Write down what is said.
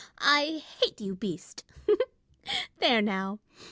— I hate you, beast ! There now.